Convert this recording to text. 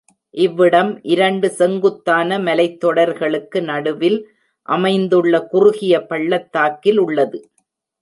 இவ்விடம் இரண்டு செங்குத்தான மலைத்தொடர்களுக்கு நடுவில் அமைந்துள்ள குறுகிய பள்ளத்தாக்கில் உள்ளது.